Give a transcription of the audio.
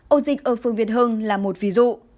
ổ dịch ở phương việt hưng là một ví dụ